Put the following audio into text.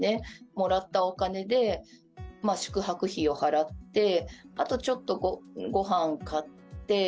もらったお金で宿泊費を払って、あとちょっとごはんを買って。